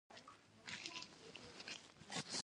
زه يو شپون يم